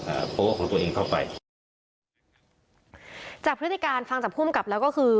โพสต์ของตัวเองเข้าไปจากพฤติการฟังจากภูมิกับแล้วก็คือ